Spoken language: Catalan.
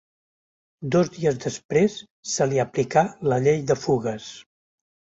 Dos dies després se li aplicà la llei de fugues.